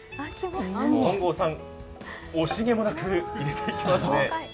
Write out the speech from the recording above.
本郷さん、惜しげもなく入れて行きますね。